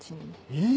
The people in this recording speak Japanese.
えっ⁉